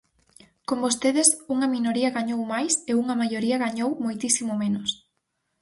Con vostedes unha minoría gañou máis e unha maioría gañou moitísimo menos.